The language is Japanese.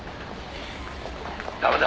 「ダメだ」